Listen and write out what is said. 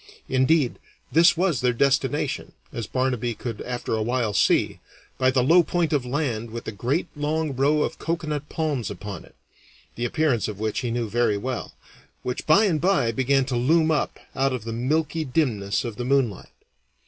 Indeed, this was their destination, as Barnaby could after a while see, by the low point of land with a great long row of coconut palms upon it (the appearance of which he knew very well), which by and by began to loom up out of the milky dimness of the moonlight.